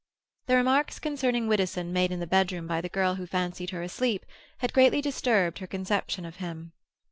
The remarks concerning Widdowson made in the bedroom by the girl who fancied her asleep had greatly disturbed her conception of him.